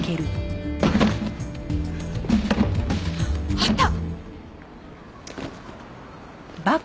あった！